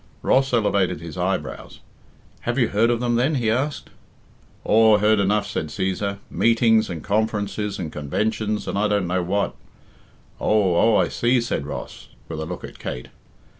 Ross elevated his eyebrows. "Have you heard of them then?" he asked. "Aw, heard enough," said Cæsar, "meetings, and conferences, and conventions, and I don't know what." "Oh, oh, I see," said Ross, with a look at Kate.